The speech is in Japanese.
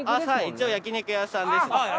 一応焼肉屋さんですね。